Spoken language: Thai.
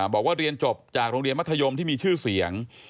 บอกว่าเรียนจบจากโรงเรียนมัธยมที่มีชื่อเสียง